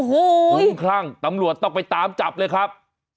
คุ้มคลั่งตำรวจต้องไปตามจับเลยครับ